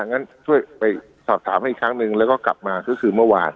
งั้นช่วยไปสอบถามให้อีกครั้งหนึ่งแล้วก็กลับมาก็คือเมื่อวาน